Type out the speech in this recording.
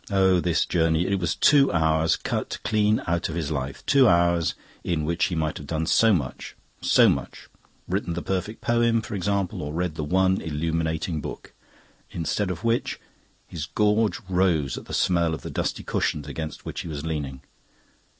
Oh, this journey! It was two hours cut clean out of his life; two hours in which he might have done so much, so much written the perfect poem, for example, or read the one illuminating book. Instead of which his gorge rose at the smell of the dusty cushions against which he was leaning.